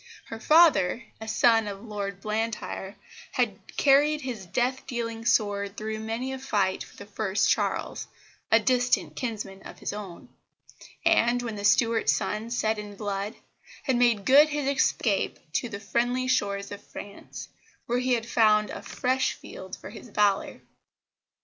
Her father, a son of Lord Blantyre, had carried his death dealing sword through many a fight for the first Charles, a distant kinsman of his own; and, when the Stuart sun set in blood, had made good his escape to the friendly shores of France, where he had found a fresh field for his valour.